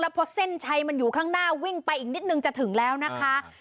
เพราะเส้นชัยมันอยู่ข้างหน้าวิ่งไปอีกนิดนึงจะถึงแล้วนะคะ